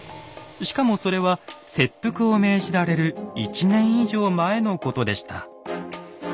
しかもそれは切腹を命じられる１年以上前のことでした。